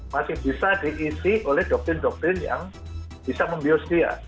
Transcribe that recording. masih bisa diisi oleh doktrin doktrin yang bisa membius dia